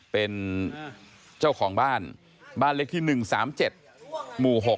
เป็นเจ้าของบ้านบ้านเล็กที่๑๓๗หมู่๖